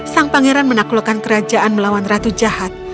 sang pangeran menaklukkan kerajaan melawan ratu jahat